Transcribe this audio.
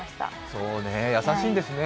そうねえ、優しいんですね。